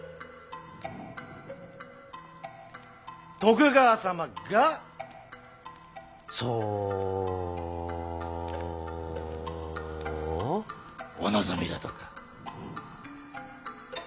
徳川様がそうお望みだとか。